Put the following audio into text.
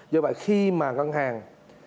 do vậy khi mà ngân hàng